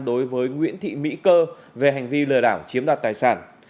đối với nguyễn thị mỹ cơ về hành vi lừa đảo chiếm đoạt tài sản